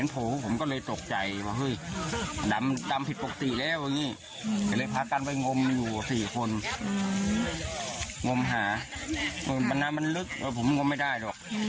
มันน้ำมันลึกแล้วผมงมไม่ได้หรอก